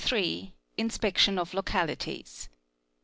INSPECTION OF LOCALITIES.